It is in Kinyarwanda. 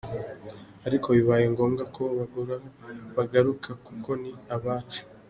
Ariko bibaye ngombwa ko bagaruka bagaruka kuko ni abacu.